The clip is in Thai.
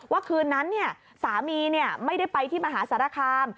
คืนนั้นสามีไม่ได้ไปที่มหาสารคาม